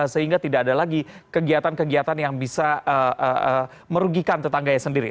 sehingga tidak ada lagi kegiatan kegiatan yang bisa merugikan tetangganya sendiri